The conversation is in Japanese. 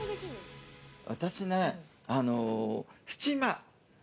私ね、スチーマー。